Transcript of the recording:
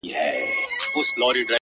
شکیلا ناز پر پښتو موسیقۍ